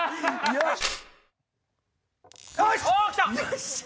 よし！